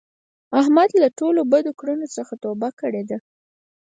احمد له ټولو بدو کړونو څخه توبه کړې ده.